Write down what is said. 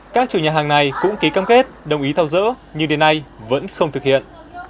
các chủ nhà hàng này cũng ký cam kết đồng ý thao dỡ nhưng đến nay vẫn không thực hiện